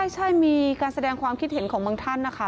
ใช่มีการแสดงความคิดเห็นของบางท่านนะคะ